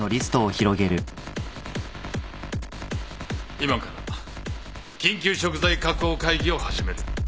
今から緊急食材確保会議を始める。